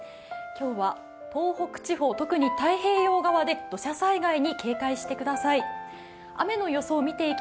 今日は東北地方、特に太平洋側で土砂災害に警戒してください。